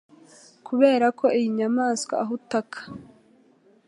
Kuberako iyi nyamaswa aho utaka